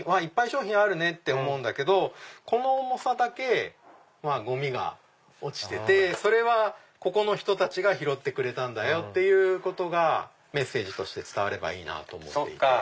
商品あるね！って思うんだけどこの重さだけゴミが落ちててそれはここの人たちが拾ってくれた！ってことがメッセージとして伝わればいいなと思っていて。